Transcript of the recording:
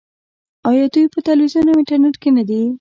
آیا دوی په تلویزیون او انټرنیټ کې نه دي؟